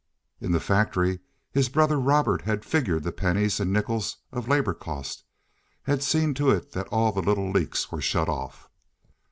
In the factory his brother Robert had figured the pennies and nickels of labor cost, had seen to it that all the little leaks were shut off.